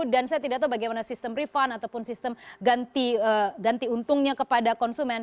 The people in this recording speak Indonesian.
dan saya tidak tahu bagaimana sistem refund ataupun sistem ganti untungnya kepada konsumen